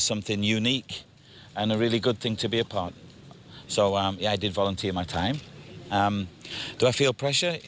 ก็มีความโปรดภัยเพื่อเปลี่ยนการเปลี่ยน